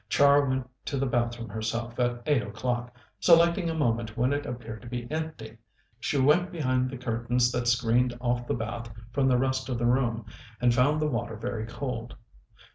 Char went to the bathroom herself at eight o'clock, selecting a moment when it appeared to be empty. She went behind the curtains that screened off the bath from the rest of the room, and found the water very cold.